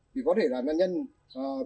thì có thể là nạn nhân bị trôi xuống dưới vực